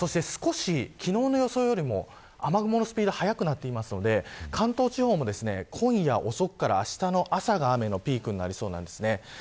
そして少し、昨日の予想よりも雨雲のスピード早くなっていますので関東地方も今夜遅くからあしたの朝が雨のピークになりそうです。